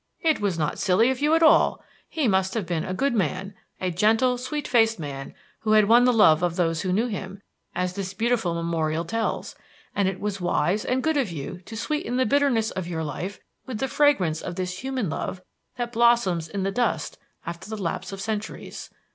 "It was not silly of you at all. He must have been a good man, a gentle, sweet faced man who had won the love of those who knew him, as this beautiful memorial tells; and it was wise and good of you to sweeten the bitterness of your life with the fragrance of this human love that blossoms in the dust after the lapse of centuries.